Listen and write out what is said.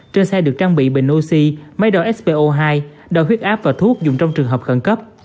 trên xe được trang bị bệnh oxy máy đòi spo hai đòi huyết áp và thuốc dùng trong trường hợp khẩn cấp